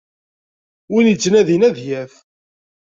Win ittnadin ad yaf.